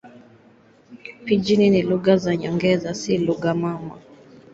Pijini ni lugha za nyongeza, si lugha mama.